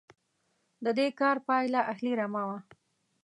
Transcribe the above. د دې کار پایله اهلي رمه وه.